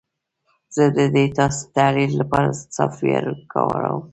زه د ډیټا تحلیل لپاره سافټویر کاروم.